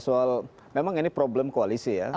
soal memang ini problem koalisi ya